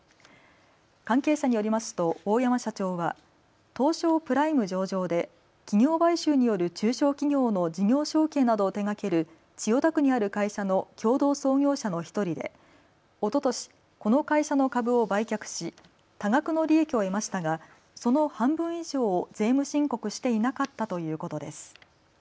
関係者によりますと大山社長は東証プライム上場で企業買収による中小企業の事業承継などを手がける千代田区にある会社の共同創業者の１人でおととし、この会社の株を売却し多額の利益を得ましたがその半分以上を税務申告していなかったということです。